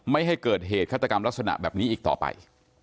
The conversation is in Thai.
ไม่ให้เกิดเหตุฆาตกรรมลักษณะแบบนี้อีกต่อไป